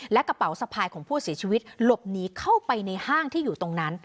และกระเป๋าสะพายของผู้เสียชีวิตหลบหนีเข้าไปในห้างที่อยู่ตรงนั้น